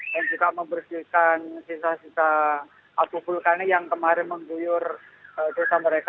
dan juga membersihkan sisa sisa apu vulkani yang kemarin mengguyur desa mereka